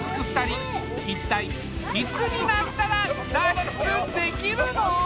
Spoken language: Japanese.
一体いつになったら脱出できるの？